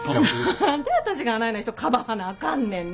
何で私があないな人かばわなあかんねんな。